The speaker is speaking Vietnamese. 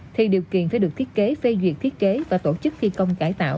thì điều kiện phải được thiết kế phê duyệt thiết kế và tổ chức thi công cải tạo